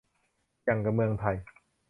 หยั่งกะเมืองไทย